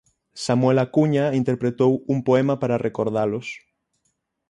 Samuel Acuña interpretou un poema para recordalos.